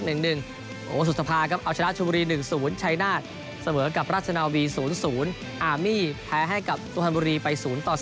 โหสุธภาครับเอาชนะชมูรี๑๐ชายนาศเสมือนกับราชนาวี๐๐อาร์มี่แพ้ให้กับสุธภัณฑ์บุรีไป๐๓